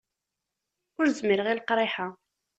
Ur zmireɣ i leqriḥ-a.